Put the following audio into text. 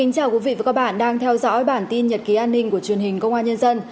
chào mừng quý vị đến với bản tin nhật ký an ninh của truyền hình công an nhân dân